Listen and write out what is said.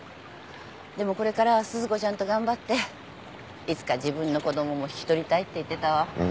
でもこれからは鈴子ちゃんと頑張っていつか自分の子供も引き取りたいって言ってたわ。